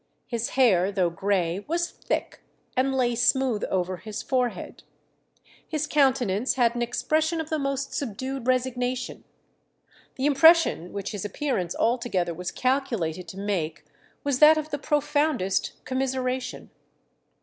His hair, though gray, was thick, and lay smooth over his forehead. His countenance had an expression of most subdued resignation. The impression which his appearance altogether was calculated to make was that of the profoundest commiseration."